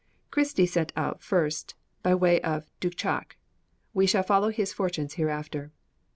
Christie set out first, by way of Douchak. We shall follow his fortunes hereafter.